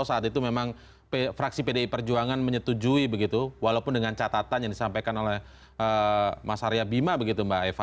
saat itu memang fraksi pdi perjuangan menyetujui begitu walaupun dengan catatan yang disampaikan oleh mas arya bima begitu mbak eva